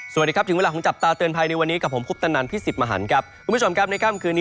สวัสดีครับถึงเวลาของจับตาเตือนภัยในวันนี้กับผมคุปตนันพี่สิทธิ์มหันครับคุณผู้ชมครับในค่ำคืนนี้